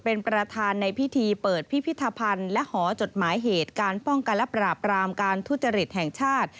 เป็นประธานในพิธีเปิดพิพิธภัณฑ์และหอจดหมายเหตุการป้องกันและปราบรามการทุจริตแห่งชาติ